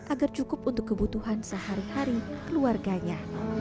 agar cukup untuk kebutuhan sehari hari keluarganya